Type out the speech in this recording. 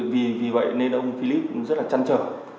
vì vậy nên ông philip rất là chăn trở